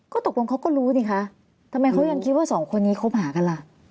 ก็ตกลงเขาก็รู้ดิคะทำไมเขายังคิดว่าสองคนนี้คบหากันล่ะ